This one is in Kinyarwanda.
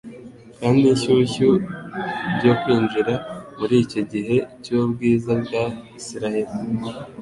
kandi ishyushyu ryo kwinjira muri icyo gihe cy'ubwiza bwa Isirayeli